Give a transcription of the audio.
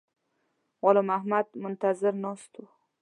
غلام محمد منتظر ناست وو.